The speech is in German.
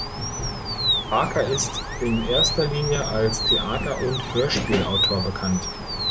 Barker ist in erster Linie als Theater- und Hörspielautor bekannt.